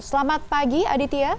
selamat pagi aditya